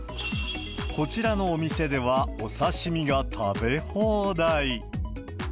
こちらのお店では、お刺身が食べ放題。